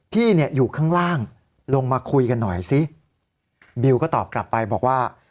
พี่เนี่ยอยู่ข้างล่างลงมาคุยกันหน่อยสิบิวก็ตอบกลับไปบอกว่า